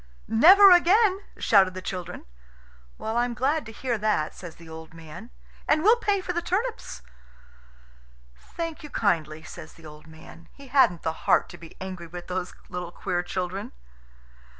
"Never again!" shouted the children. "I'm glad to hear that," says the old man. "And we'll pay for the turnips." "Thank you kindly," says the old man. He hadn't the heart to be angry with those little queer children.